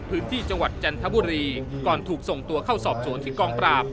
พื้นที่จังหวัดจันทบุรีก่อนถูกส่งตัวเข้าสอบสวนที่กองปราบ